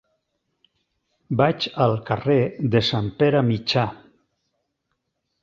Vaig al carrer de Sant Pere Mitjà.